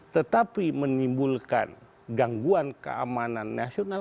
tetapi menimbulkan gangguan keamanan nasional